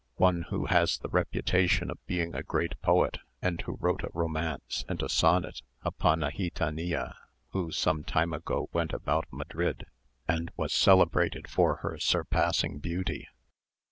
One who has the reputation of being a great poet, and who wrote a romance and a sonnet upon a gitanilla who some time ago went about Madrid, and was celebrated for her surpassing beauty?